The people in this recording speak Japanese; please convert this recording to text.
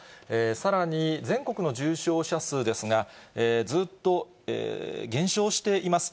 さらに全国の重症者数ですが、ずっと減少しています。